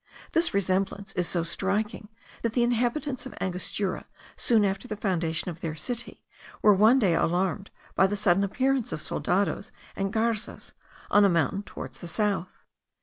This resemblance is so striking, that the inhabitants of Angostura, soon after the foundation of their city, were one day alarmed by the sudden appearance of soldados and garzas, on a mountain towards the south.